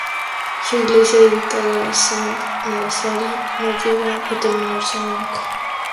Su iglesia, dedicada a Sant Nazarí, no llegó a terminarse nunca.